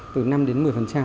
từ năm đến một mươi